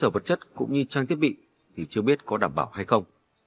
vật chất cũng như trang thiết bị thì chưa biết có đảm bảo hay không